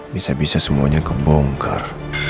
bisa bisa semuanya kebongkar